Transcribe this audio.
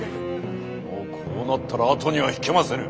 もうこうなったら後には引けませぬ。